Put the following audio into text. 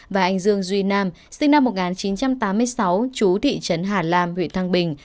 và anh dương duy nam sinh năm một nghìn chín trăm tám mươi sáu chú thị trấn hà lam huyện thăng bình